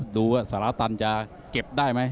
ต้องการดูสละสันจะเก็บได้ไหม